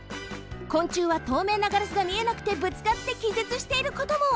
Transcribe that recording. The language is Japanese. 昆虫はとうめいなガラスが見えなくてぶつかってきぜつしていることも！